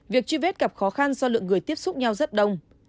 việc truy vết gặp khó khăn do lượng người tiếp xúc nhau rất đông